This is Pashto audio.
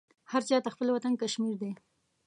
هر چا ته خپل وطن کشمیر دی.